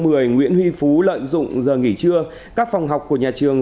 nguyễn huy phú lợi dụng giờ nghỉ trưa các phòng học của nhà trường